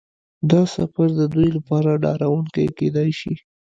دا سفر د دوی لپاره ډارونکی کیدای شي